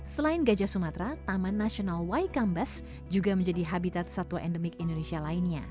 selain gajah sumatera taman nasional waikambas juga menjadi habitat satwa endemik indonesia lainnya